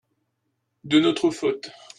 de notre faute.